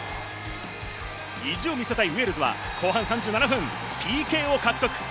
意地を見せたいウェールズは後半３７分、ＰＫを獲得。